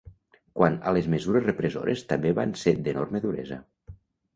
Quant a les mesures repressores també van ser d'enorme duresa.